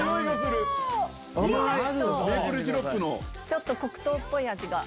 ちょっと黒糖っぽい味が。